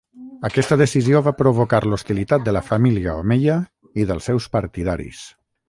Aquesta decisió va provocar l'hostilitat de la família omeia i dels seus partidaris.